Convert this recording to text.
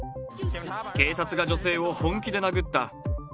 警察が女性を本気で殴った。